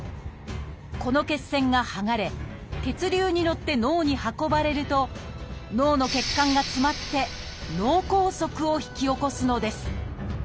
この血栓が剥がれ血流に乗って脳に運ばれると脳の血管が詰まって脳梗塞を引き起こすのです。